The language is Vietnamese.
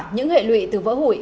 những hệ lụy từ vỡ hủy